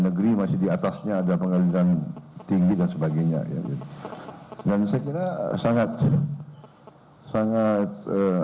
negeri masih diatasnya ada pengadilan tinggi dan sebagainya dan saya kira sangat sangat